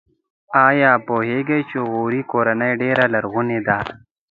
ایا پوهیږئ چې غوري کورنۍ ډېره لرغونې ده؟